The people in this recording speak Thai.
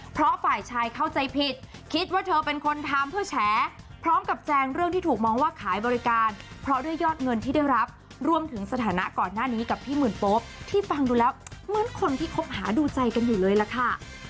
เพราะฝ่ายชายเข้าใจผิดคิดว่าเธอเป็นคนทำเพื่อแฉพร้อมกับแจงเรื่องที่ถูกมองว่าขายบริการเพราะด้วยยอดเงินที่ได้รับรวมถึงสถานะก่อนหน้านี้กับพี่หมื่นโป๊ปที่ฟังดูแล้วเหมือนคนที่คบหาดูใจกันอยู่เลยล่ะค่ะ